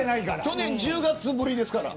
去年１０月ぶりですから。